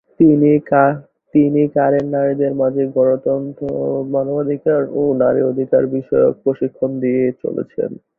তিনি কারেন নারীদের মাঝে গণতন্ত্র, মানবাধিকার ও নারী অধিকার বিষয়ক প্রশিক্ষণ দিয়ে চলেছেন।